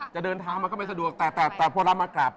จะเดินทางมาก็ไม่สะดวกแต่พอเรามากลับ